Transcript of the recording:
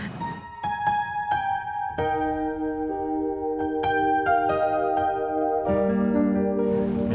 tentara sebodong tante